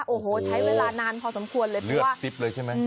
โอ้โหใช้เวลานานพอสมควรเลยเพราะว่าซิบเลยใช่ไหม